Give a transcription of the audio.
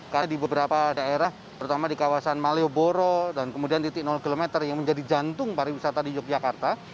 karena di beberapa daerah terutama di kawasan malioboro dan kemudian titik km yang menjadi jantung pariwisata di yogyakarta